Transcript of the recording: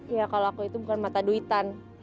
iya kalo aku itu bukan mata duitan